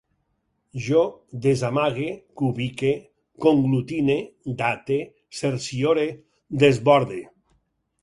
Jo desamague, cubique, conglutine, date, cerciore, desborde